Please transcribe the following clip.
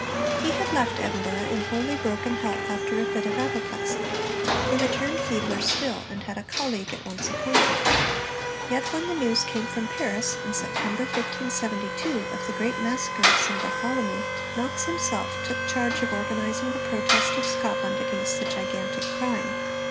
He had left Edinburgh in wholly broken health, after a fit of apoplexy: he returned feebler still, and had a colleague at once appointed. Yet when the news came from Paris, in September, 1572, of the great massacre of St Bartholomew, Knox himself took charge of organising the protest of Scotland against the gigantic crime.